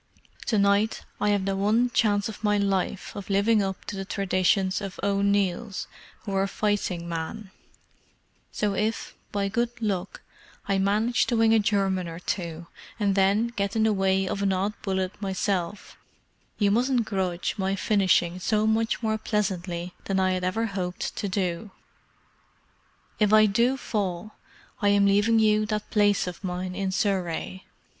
To night I have the one chance of my life of living up to the traditions of O'Neills who were fighting men; so if, by good luck, I manage to wing a German or two, and then get in the way of an odd bullet myself, you mustn't grudge my finishing so much more pleasantly than I had ever hoped to do. "If I do fall, I am leaving you that place of mine in Surrey.